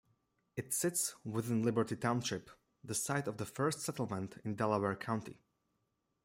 It sits within Liberty Township, the site of the first settlement in Delaware County.